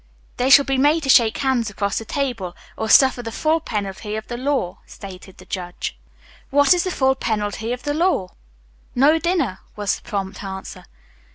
"They shall be made to shake hands across the table or suffer the full penalty of the law," stated the judge. "What is the full penalty of the law?" "No dinner," was the prompt answer.